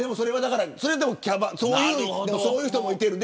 そういう人もいてる。